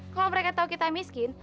kalau mereka tahu kita miskin